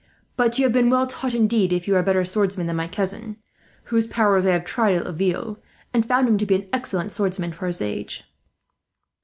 But you must have been well taught, indeed, if you are a better swordsman than my cousin; whose powers I have tried at Laville, and found him to be an excellent swordsman, for his age."